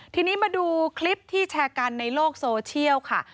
ทีนี้มาดูคลิปที่แชร์กันในโลกโซเชียลค่ะ